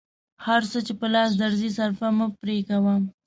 هر څه چې په لاس درځي صرفه مه پرې کوه.